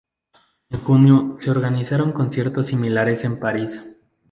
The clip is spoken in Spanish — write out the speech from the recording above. En junio se organizaron conciertos similares en París.